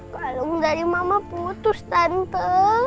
kalung dari mama putus tante